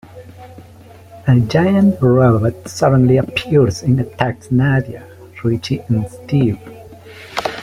A giant robot suddenly appears and attacks Nadia, Richie and Steve.